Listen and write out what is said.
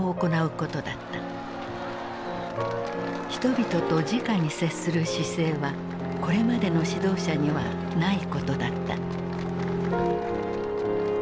人々とじかに接する姿勢はこれまでの指導者にはないことだった。